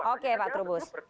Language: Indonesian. oke pak trubus